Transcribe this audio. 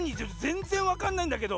ぜんぜんわかんないんだけど！